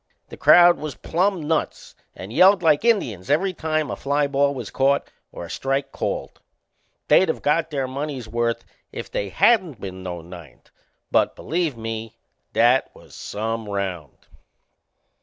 The crowd was plumb nuts and yelled like Indians every time a fly ball was caught or a strike called. They'd of got their money's worth if they hadn't been no ninth; but, believe me, that was some round!